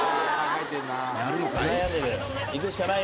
［やるのかい？］